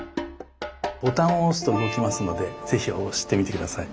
ボタンを押すと動きますので是非押してみて下さい。